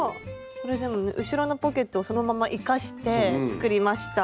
これでもね後ろのポケットをそのまま生かして作りました。